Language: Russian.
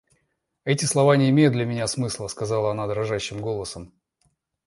Эти слова не имеют для меня смысла, — сказала она дрожащим голосом.